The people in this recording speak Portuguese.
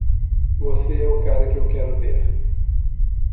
Você é o cara que eu quero ver.